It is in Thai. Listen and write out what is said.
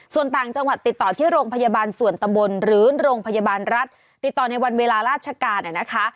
ส่วนต่างจังหวัดติดต่อที่โรงพยาบาลส่วนตำบลหรือโรงพยาบาลรัฐติดต่อในวันเวลาราชการนะคะ